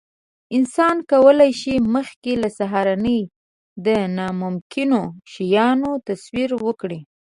انسان کولی شي، مخکې له سهارنۍ د ناممکنو شیانو تصور وکړي.